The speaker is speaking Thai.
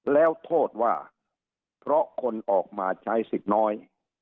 แล้วโทษว่าเพราะคนออกมาใช้สิทธิ์น้อย